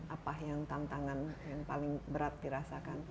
apa yang tantangan yang paling berat dirasakan